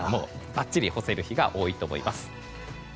ばっちり干せる日が多いと思います。